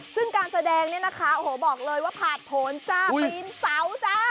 ซึ่งการแสดงเนี่ยนะคะโอ้โหบอกเลยว่าผ่านผลจ้าปีนเสาจ้า